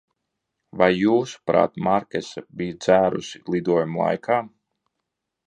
Vai, jūsuprāt, Markesa bija dzērusi lidojuma laikā?